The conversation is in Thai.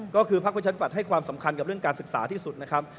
ก็คือพักประชาธิบัตย์ให้ความสำคัญกับเรื่องการศึกษาที่สุดนะครับ